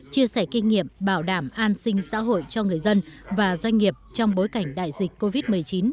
chia sẻ kinh nghiệm bảo đảm an sinh xã hội cho người dân và doanh nghiệp trong bối cảnh đại dịch covid một mươi chín